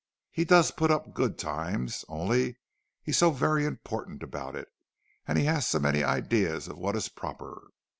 He does put up good times—only he's so very important about it, and he has so many ideas of what is proper!